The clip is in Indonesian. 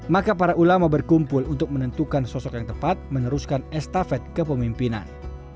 maka para ulama berkumpul untuk menentukan sosok yang tepat meneruskan estafet kepemimpinan